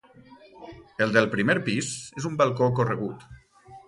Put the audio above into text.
El del primer pis és un balcó corregut.